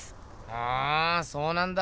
ふんそうなんだ。